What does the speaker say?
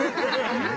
うん。